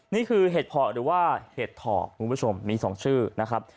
เห็ดเพาะหรือว่าเห็ดถอบคุณผู้ชมมี๒ชื่อนะครับ